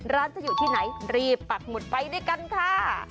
ร้านจะอยู่ที่ไหนรีบปักหมุดไปด้วยกันค่ะ